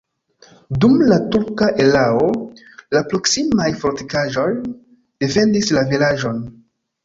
Dum la turka erao la proksimaj fortikaĵoj defendis la vilaĝon.